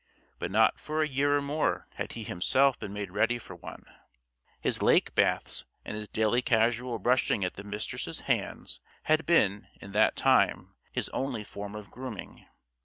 But not for a year or more had he himself been made ready for one. His lake baths and his daily casual brushing at the Mistress' hands had been, in that time, his only form of grooming.